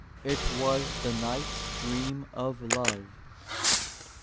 It was the knight's dream of love.